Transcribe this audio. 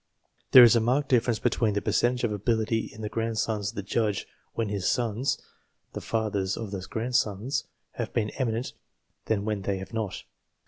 There is a marked difference between the percentage of ability in the grandsons of the judge when his sons (the fathers of those grandsons) have been eminent than when they have not.